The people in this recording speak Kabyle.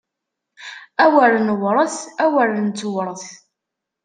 Awer newṛet, awer nettewṛet!